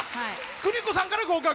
邦子さんから合格。